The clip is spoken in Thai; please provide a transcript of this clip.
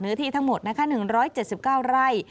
เนื้อที่ทั้งหมด๑๗๙ไร่